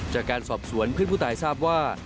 จากการสอบสวนเพื่อนผู้ตายทราบว่า